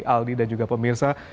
aldi dan juga pemirsa